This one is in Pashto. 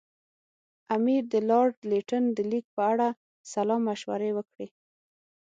امیر د لارډ لیټن د لیک په اړه سلا مشورې وکړې.